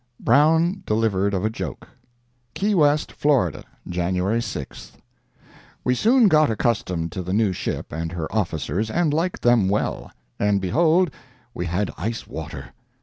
BROWN DELIVERED OF A JOKE: KEY WEST (Florida), January 6th.—We soon got accustomed to the new ship and her officers, and liked them well. And, behold, we had ice water!